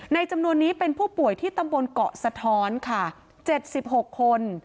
จำนวนนี้เป็นผู้ป่วยที่ตำบลเกาะสะท้อนค่ะ๗๖คน